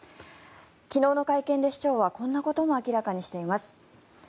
昨日の会見で、市長はこんなことも明らかにしています。